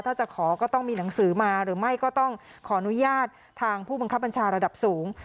ถ้าจะขอก็ต้องมีหนังสือมาหรือไม่ก็ต้องขออนุญาตทางผู้บังคับบัญชาระดับสูง